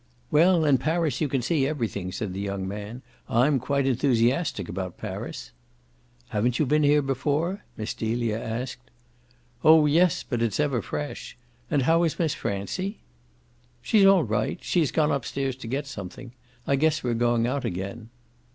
"Well, in Paris you can see everything," said the young man. "I'm quite enthusiastic about Paris." "Haven't you been here before?" Miss Delia asked. "Oh yes, but it's ever fresh. And how is Miss Francie?" "She's all right. She has gone upstairs to get something. I guess we're going out again."